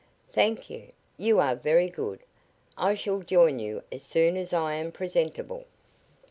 "Thank you. You are very good. I shall join you as soon as I am presentable."